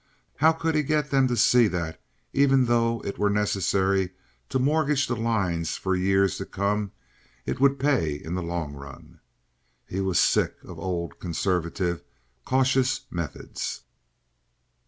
How could he get them to see that, even though it were necessary to mortgage the lines for years to come, it would pay in the long run? He was sick of old, conservative, cautious methods.